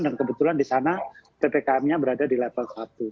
dan kebetulan di sana ppkm nya berada di level satu